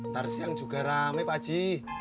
tar siang juga rame pak ji